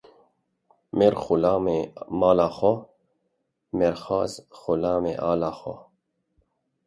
Mêr xulamê mala xwe, mêrxas xulamê ala xwe